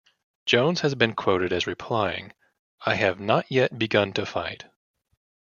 Jones has been quoted as replying, "I have not yet begun to fight".